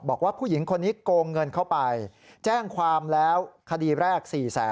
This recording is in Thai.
บอกว่าผู้หญิงคนนี้โกงเงินเข้าไปแจ้งความแล้วคดีแรก๔แสน